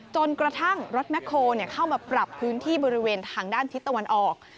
จนกระทั่งรถแคลเข้ามาปรับพื้นที่บริเวณทางด้านทิศตะวันออก